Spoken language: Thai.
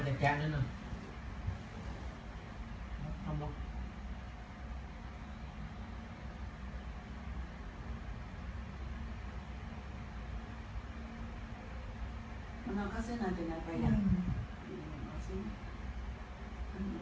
ตรงนี้ถูกไปน่ะตรงพิวอ่ะ